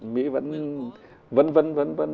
mỹ vẫn vấn vấn vấn vấn